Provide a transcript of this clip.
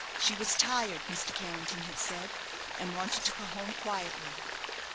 She was tired, Mr. Carrington had said, and wanted to go home quietly.